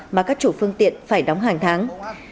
mà các chủ phương tiện phải đóng hàng tháng